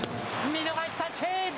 見逃し三振。